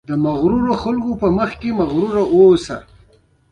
د مغرورو خلکو په وړاندې مغرور اوسه.